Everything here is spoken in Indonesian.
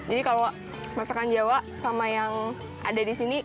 jadi kalau masakan jawa sama yang ada di sini